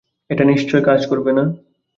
এটা নিশ্চয় কাজ করবে না।